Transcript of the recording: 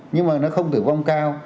nhưng mà nó không tử vong cao